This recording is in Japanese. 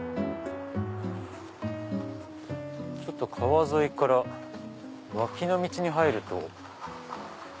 ちょっと川沿いから脇の道に入ると。